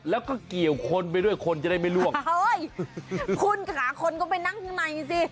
แล้วก็เกี่ยวคนไปด้วยคนจะได้ไม่ล่วงเฮ้ยคุณค่ะคนก็ไปนั่งข้างในสิ